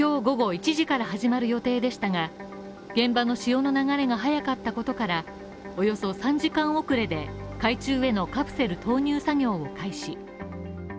今日午後１時から始まる予定でしたが、現場の使用の流れが早かったことからおよそ３時間遅れで海中へのカプセル投入作業を開始。